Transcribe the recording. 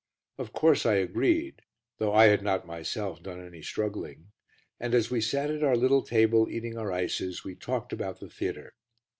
Of course I agreed, though I had not myself done any struggling, and, as we sat at our little table eating our ices, we talked about the theatre.